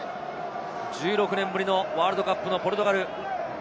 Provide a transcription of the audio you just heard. １６年ぶりのワールドカップのポルトガル。